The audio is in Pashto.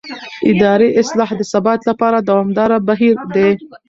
اداري اصلاح د ثبات لپاره دوامداره بهیر دی